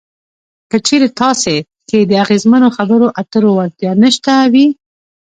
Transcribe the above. که چېرې تاسې کې د اغیزمنو خبرو اترو وړتیا نشته وي.